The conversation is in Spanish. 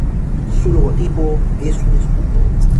Su logotipo es un escudo.